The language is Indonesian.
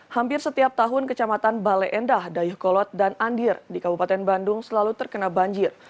hampir setiap tahun kecamatan bale endah dayuh kolot dan andir di kabupaten bandung selalu terkena banjir